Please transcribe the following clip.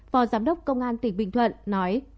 phó giám đốc công an tỉnh bình thuận nói